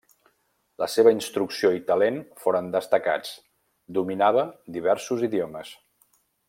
La seva instrucció i talent foren destacats, dominava diversos idiomes.